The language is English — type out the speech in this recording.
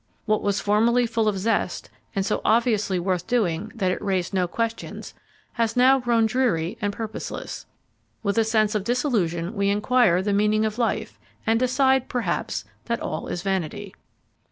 What was formerly full of zest, and so obviously worth doing that it raised no questions, has now grown dreary and purposeless: with a sense of disillusion we inquire the meaning of life, and decide, perhaps, that all is vanity.